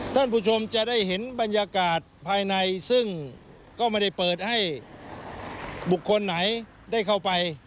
ท่านผู้ชมจะได้เห็นบรรยากาศภายในซึ่งก็ไม่ได้เปิดให้บุคคลไหนได้เข้าไป